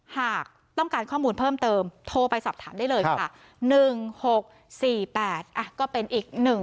หากต้องการข้อมูลเพิ่มเติมโทรไปสอบถามได้เลยค่ะ๑๖๔๘ก็เป็นอีก๑